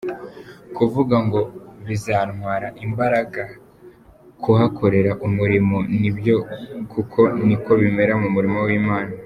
Kuvuga ngo bizantwara imbaraga kuhakorera umurimo nibyo kuko niko bimera mu murimo w’Imana.